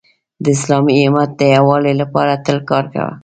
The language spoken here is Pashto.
د اسلامی امت د یووالي لپاره تل کار کوه .